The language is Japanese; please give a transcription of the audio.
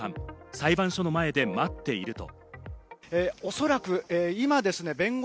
裁判所の前で待っていると。